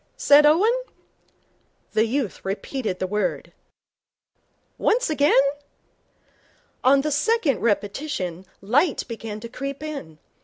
said Owen. The youth repeated the word. 'Once again.' On the second repetition light began to creep in.